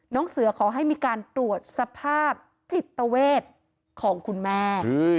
เสือขอให้มีการตรวจสภาพจิตเวทของคุณแม่